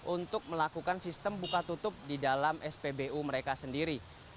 untuk melakukan sistem buka tutup di dalam spbu mereka sendiri